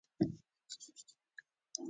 د باکتریاوو په میوټیشن کې رول لري.